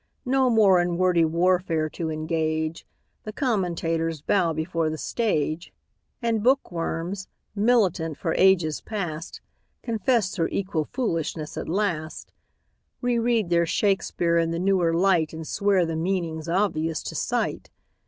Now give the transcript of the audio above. No more in wordy warfare to engage, The commentators bow before the stage, And bookworms, militant for ages past, Confess their equal foolishness at last, Reread their Shakspeare in the newer light And swear the meaning's obvious to sight.